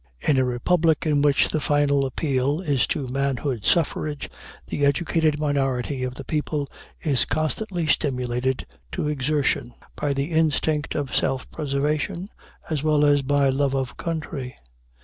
In a republic in which the final appeal is to manhood suffrage, the educated minority of the people is constantly stimulated to exertion, by the instinct of self preservation as well as by love of country.